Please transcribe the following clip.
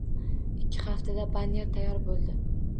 Ikki haftada banner tayyor boʻldi